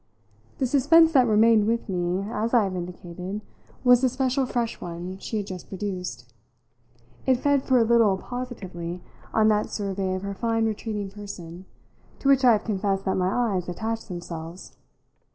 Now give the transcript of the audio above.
The suspense that remained with me, as I have indicated, was the special fresh one she had just produced. It fed, for a little, positively, on that survey of her fine retreating person to which I have confessed that my eyes attached themselves.